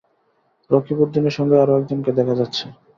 রকিবউদিনের সঙ্গে আরো একজনকে দেখা যাচ্ছে।